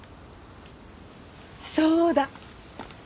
そうだ。